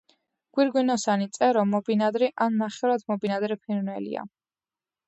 გვირგვინოსანი წერო მობინადრე ან ნახევრად მობინადრე ფრინველია.